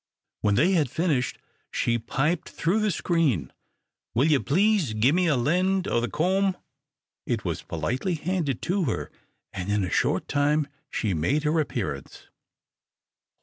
When they had finished, she piped through the screen, "Will you please gimme a lend o' the comb?" It was politely handed to her, and in a short time she made her appearance.